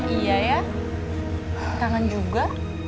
iya ya kangen juga